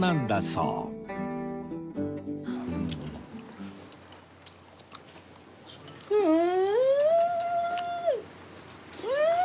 うん！